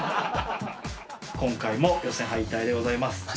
今回も予選敗退でございます。